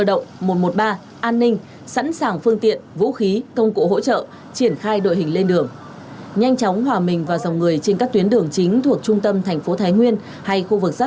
rất manh động sẵn sàng chống trả lực lượng chức năng khi thực hiện nhiệm vụ